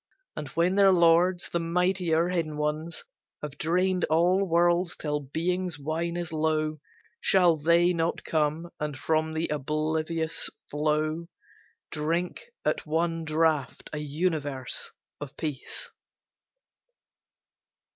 And when their lords, the mightier, hidden Ones, Have drained all worlds till being's wine is low, Shall they not come, and from the oblivious flow Drink at one draught a universe of peace?